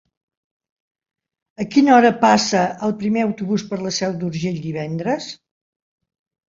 A quina hora passa el primer autobús per la Seu d'Urgell divendres?